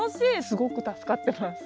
すごく助かってます。